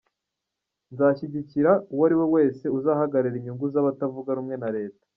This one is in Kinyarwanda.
Nzashyigikirra uwo ari we wese uzahagararira inyungu z’abatavuga rumwe na Leta.”